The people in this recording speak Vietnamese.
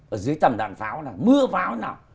ở dưới tầm đạn pháo nào mưa pháo nào